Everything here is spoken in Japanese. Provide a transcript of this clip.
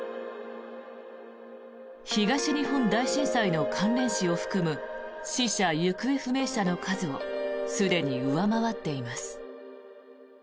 東日本大震災の関連死を含む死者・行方不明者の数をすでに上回っています。